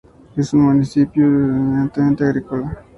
Es un municipio eminentemente agrícola.